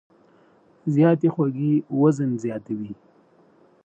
زیاتې خوږې وزن زیاتوي.